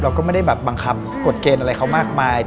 เราก็ไม่ได้แบบบังคับกฎเกณฑ์อะไรเขามากมาย